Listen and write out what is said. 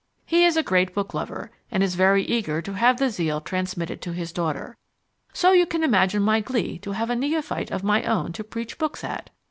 He is a great booklover, and is very eager to have the zeal transmitted to his daughter. So you can imagine my glee to have a neophyte of my own to preach books at!